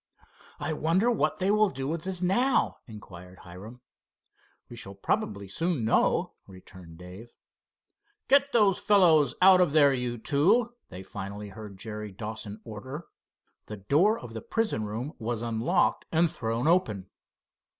"I wonder what they will do with us now?" inquired Hiram. "We shall probably soon know," returned Dave. "Get those fellows out of there, you two," they finally heard Jerry Dawson order. The door of the prison room was unlocked and thrown open.